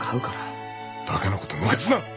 バカなことぬかすな。